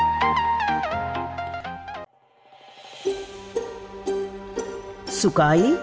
mereka juga sebagai karyawan